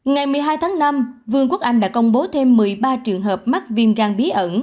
ngày một mươi hai tháng năm vương quốc anh đã công bố thêm một mươi ba trường hợp mắc viêm gan bí ẩn